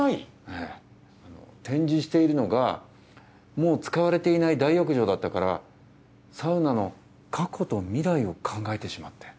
えぇあの展示しているのがもう使われていない大浴場だったからサウナの過去と未来を考えてしまって。